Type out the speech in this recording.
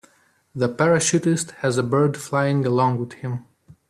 The parachutist has a bird flying along with him.